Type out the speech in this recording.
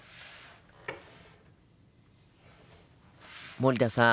森田さん